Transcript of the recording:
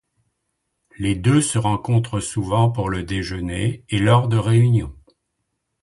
Les deux se rencontrent souvent pour le déjeuner et lors de réunions.